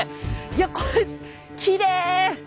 いやこれきれい！